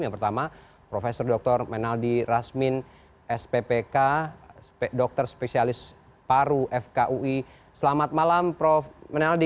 yang pertama prof dr menaldi rasmin sppk dokter spesialis paru fkui selamat malam prof menaldi